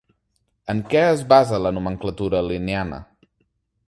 En què es basa la nomenclatura linneana?